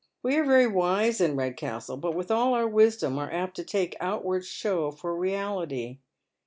We are very wise in Redcastle, but with all our wisdom are apt to take outward show for reality.